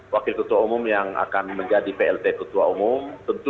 wakil ketua umum yang akan menjadi plt ketua umum tentu